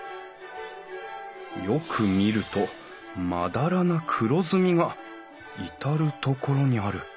よく見るとまだらな黒ずみが至る所にある。